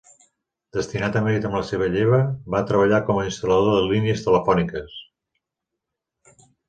Destinat a Madrid amb la seva lleva, va treballar com a instal·lador de línies telefòniques.